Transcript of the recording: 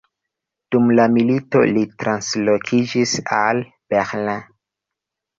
Dum la milito li translokiĝis al Berlin.